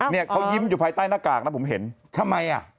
เนี่ยเขายิ้มอยู่ภายใต้หน้ากากนะผมเห็นทำไมอ่ะ